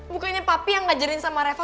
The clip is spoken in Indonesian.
bukannya papi yang ngajarin sama reva